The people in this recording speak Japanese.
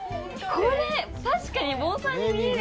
これ確かに盆栽に見える。